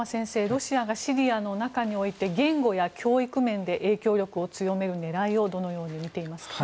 ロシアがシリアの中において言語や教育面で影響力を強める狙いをどのように見ていますか？